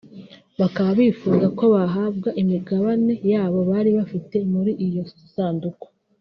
bakaba bifuza ko bahabwa imigabane yabo bari bafite muri iyo sanduku